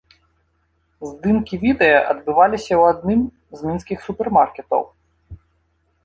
Здымкі відэа адбываліся ў адным з мінскіх супермаркетаў.